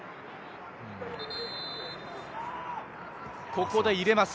ここで入れます。